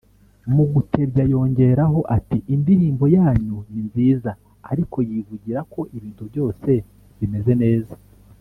Mu gutebya yongeraho ati “Indirimbo yanyu ni nziza ariko yivugira ko ibintu byose bimeze neza